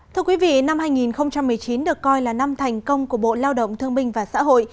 thưa quý vị năm hai nghìn một mươi chín được coi là năm thành công của bộ lao động thương minh và xã hội